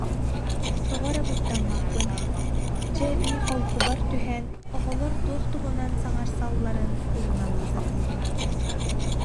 Тоҕо эрэ куттаммаппын, дьэ эбии холкубар түһэн, оҕолор туох туһунан саҥарсалларын ырыҥалыы сатыыбын